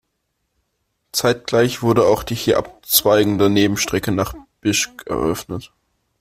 Zeitgleich wurde auch die hier abzweigende Nebenstrecke nach Bijsk eröffnet.